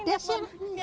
aduh ya allah